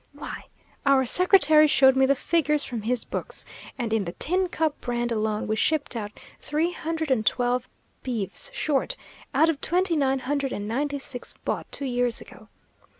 Why, our secretary showed me the figures from his books; and in the 'Tin Cup' brand alone we shipped out three hundred and twelve beeves short, out of twenty nine hundred and ninety six bought two years ago.